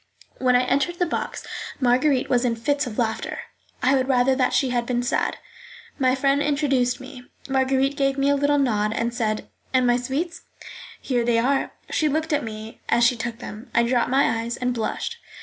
When I entered the box Marguerite was in fits of laughter. I would rather that she had been sad. My friend introduced me; Marguerite gave me a little nod, and said, "And my sweets?" "Here they are." She looked at me as she took them. I dropped my eyes and blushed.